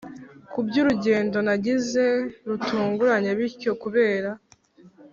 kubwurugendo nagize rutunguranye bityo kubera